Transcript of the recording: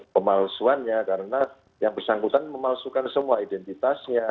pemalsuannya karena yang bersangkutan memalsukan semua identitasnya